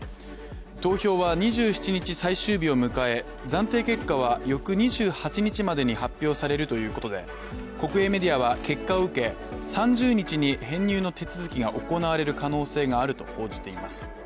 投票は２７日最終日を迎え、暫定結果は翌２８日までに発表されるということで国営メディアは結果を受け３０日までに編入の手続きが行われる可能性があると報じています。